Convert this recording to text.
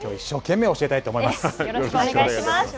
きょう一生懸命教えたいと思います。